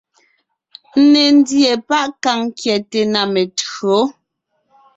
Ńne ńdíe páʼ kàŋ kyɛte na metÿǒ,